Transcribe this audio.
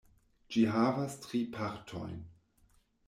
Ĝi havas tri partojn.